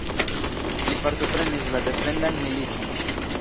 Li partoprenis la defendan militon.